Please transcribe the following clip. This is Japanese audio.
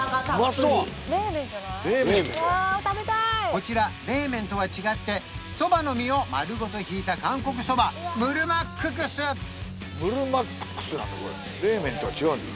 こちら冷麺とは違ってそばの実を丸ごとひいた韓国そばムルマッククスなんだ